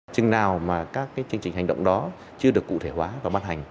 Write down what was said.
chừng nào mà các chương trình hành động đó chưa được cụ thể hóa và ban hành